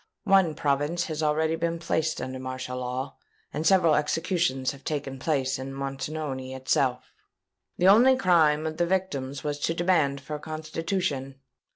One province has already been placed under martial law; and several executions have taken place in Montoni itself. The only crime of the victims was a demand for a Constitution.